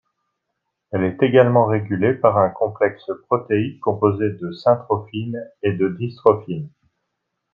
Elle est également régulée par un complexe protéique composé de syntrophines et de dystrophines.